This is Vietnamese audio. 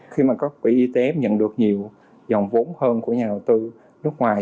khi các quỹ etf nhận được nhiều dòng vốn hơn của nhà đầu tư nước ngoài